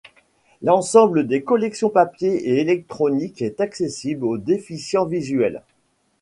L’ensemble des collections papier et électronique est accessible aux déficients visuels.